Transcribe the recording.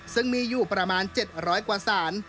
ซึ่งมีอยู่ประมาณ๗๐๐กว่าศาล